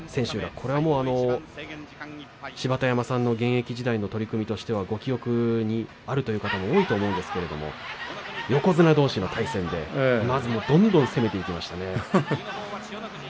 これはもう芝田山さんの現役時代の取組としてはご記憶にあるという方も多いと思うんですけれども横綱どうしの対戦でまずはどんどん攻めていきましたね。